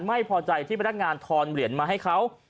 ไม่พอใจที่พนักงานทอนเหรียญมาให้เขา